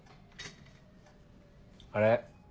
あれ？